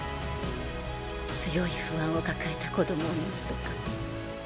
強い不安を抱えた子供を持つとか。